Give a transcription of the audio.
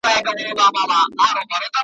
چي پخپله څوک په ستونزه کي اخته وي `